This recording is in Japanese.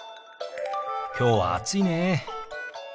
きょうは暑いね。